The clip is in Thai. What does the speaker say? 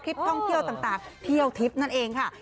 คลิปท่องเที่ยวต่างเที่ยวทริปนั่นเองค่ะ